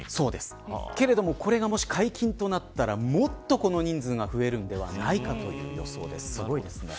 これが、もし解禁となったらこの人数が増えるのではないかという予想です。